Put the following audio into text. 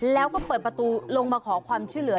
แล้วก็เปิดประตูลงมาขอความช่วยเหลือ